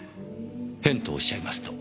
「変」とおっしゃいますと？